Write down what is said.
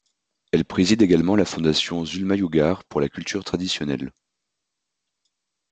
Elle préside également la Fondation Zulma Yugar pour la culture traditionnelle.